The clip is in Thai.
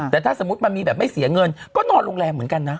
แต่ถ้าสมมุติมันมีแบบไม่เสียเงินก็นอนโรงแรมเหมือนกันนะ